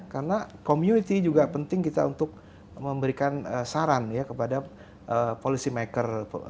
karena community juga penting kita untuk memberikan saran ya kepada policy maker